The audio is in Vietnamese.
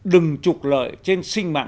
đừng trục lợi trên sinh mạng